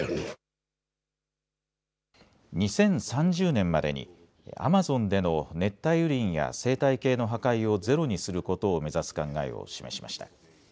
２０３０年までにアマゾンでの熱帯雨林や生態系の破壊をゼロにすることを目指す考えを示しました。